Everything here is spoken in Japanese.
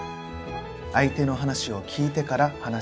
相手の話を聞いてから話をする。